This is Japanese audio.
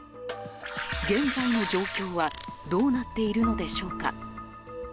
現在の状況はどうなっているのでしょうか。